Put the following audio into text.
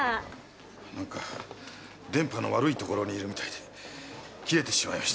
何か電波の悪いところにいるみたいで切れてしまいました。